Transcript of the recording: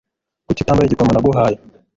Kuki utambaye igikomo naguhaye?